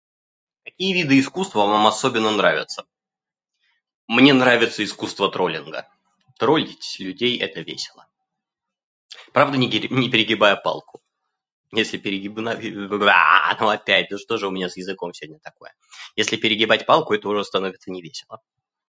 """Какие виды искусства вам особенно нравятся?"". Мне нравится искусство троллинга. Троллить людей - это весело. Правда, не не перегибая палку. Если перегибна-, [unintelligible] ну опять! Да что же у меня с языком сегодня такое? Если перегибать палку - это уже становится не весело."